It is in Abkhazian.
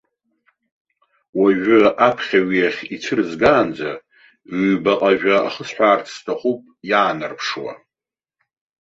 Уажәы аԥхьаҩ иахь ицәырызгаанӡа, ҩбаҟа ажәа ахысҳәаарц сҭахуп иаанарԥшуа.